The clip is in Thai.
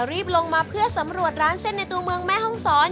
รีบลงมาเพื่อสำรวจร้านเส้นในตัวเมืองแม่ห้องศร